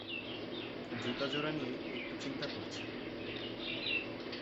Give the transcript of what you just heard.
জুতা জোড়া নিয়ে একটু চিন্তা করছে।